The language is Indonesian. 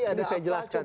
ini saya jelaskan